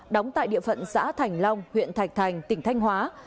đóng tại địa phận xã thành long huyện thạch thành tỉnh thanh hóa